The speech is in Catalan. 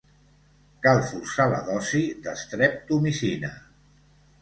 Cal forçar la dosi d'estreptomicina.